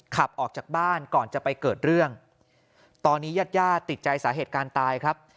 ขับออกจากบ้านก่อนจะไปเกิดเรื่องตอนนี้ญาติญาติติดใจสาเหตุการณ์ตายครับ